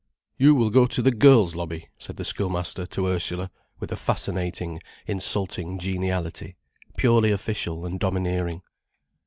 "You will go to the girls' lobby," said the schoolmaster to Ursula, with a fascinating, insulting geniality, purely official and domineering.